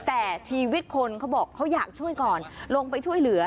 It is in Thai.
แต่ชีวิตคนเขาบอกเขาอยากช่วยก่อนลงไปช่วยเหลือ